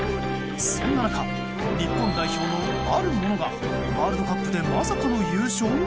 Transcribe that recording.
そんな中、日本代表のあるものがワールドカップでまさかの優勝？